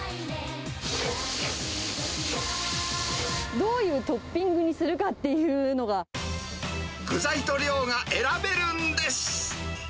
どういうトッピングにするか具材と量が選べるんです。